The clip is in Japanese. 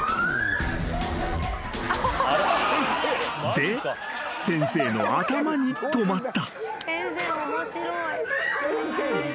［で先生の頭に止まった］